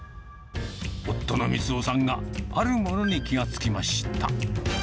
夫の満雄さんが、あるものに気が付きました。